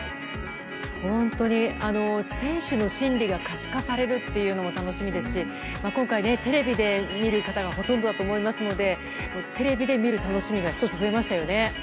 本当に、選手の心理が可視化されるというのが楽しみですし今回、テレビで見る方がほとんどだと思いますのでテレビで見る楽しみが１つ増えましたよね。